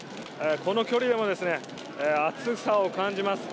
この距離でも熱さを感じます。